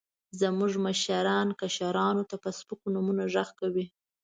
زموږ مشران، کشرانو ته په سپکو نومونو غږ کوي.